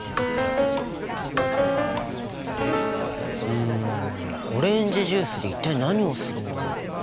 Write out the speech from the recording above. うんオレンジジュースで一体何をするんだろう？